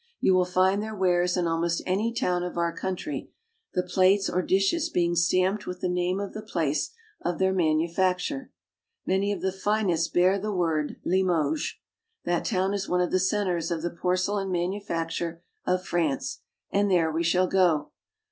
You will find their wares in almost any town of our country, the plates or dishes being stamped with the name of the place of their manufacture. Many of the finest bear the word Limoges (le mozb'). That town is one of the centers of the porce lain manufacture of France, and there we shall go.